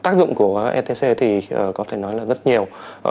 tác dụng của etc thì có thể nói là rất nhiều